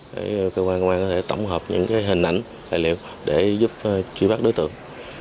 để cơ quan công an có thể tổng hợp những hình ảnh tài liệu để giúp truy bắt đối tượng